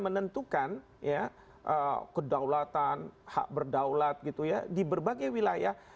menentukan kedaulatan hak berdaulat di berbagai wilayah